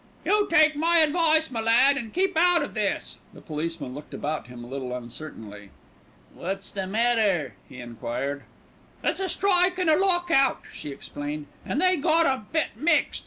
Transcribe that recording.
"You take my advice, my lad, and keep out of this." The policeman looked about him a little uncertainly. "What's the matter?" he enquired. "It's a strike and a lock out," she explained, "an' they got a bit mixed.